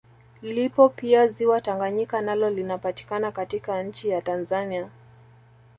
Lipo pia ziwa Tanganyika nalo linapatikana katika nchi ya Tanzania